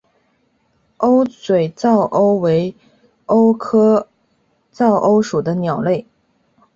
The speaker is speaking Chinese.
鸥嘴噪鸥为鸥科噪鸥属的鸟类。